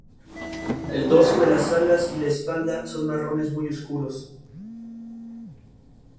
El concepto tridimensional de punto fue sustituido por el de suceso.